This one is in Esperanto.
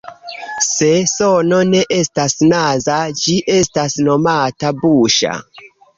Se sono ne estas naza, ĝi estas nomata "buŝa.